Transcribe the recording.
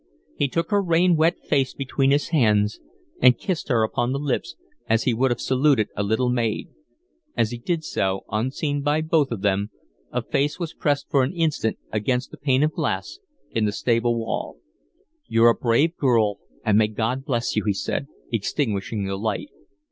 He took her rain wet face between his hands and kissed her upon the lips as he would have saluted a little maid. As he did so, unseen by both of them, a face was pressed for an instant against the pane of glass in the stable wall. "You're a brave girl and may God bless you," he said, extinguishing the light.